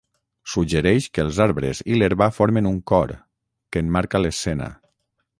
Suggereix que els arbres i l'herba formen un cor, que emmarca l'escena.